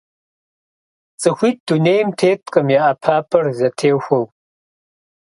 Цӏыхуитӏ дунейм теткъым я ӏэпапӏэр зэтехуэу.